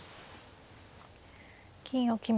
金を決めて。